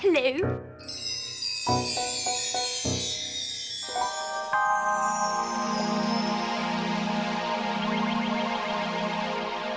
dicari guru senam